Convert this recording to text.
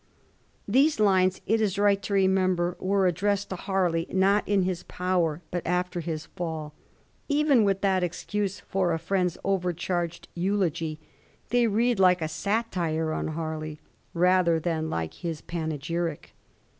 These lines, it is right to remember, were addressed to Barley not in his power, but after his fall. Even with that excuse for a Mend's overcharged eulogy, they read like a satire on Barley rather than like his panegyric.